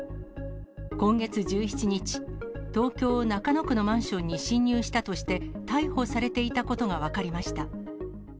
今月１７日、東京・中野区のマンションに侵入したとして、逮捕されていたことが分かりました。